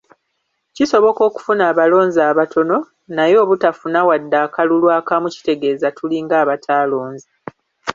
Kisoboka okufuna abalonzi abatono naye obutafuna wadde akalulu akamu, kitegeeza tulinga abataalonze.